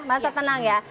masa tenang ya